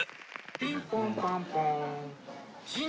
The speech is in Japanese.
ピンポンパンポーン。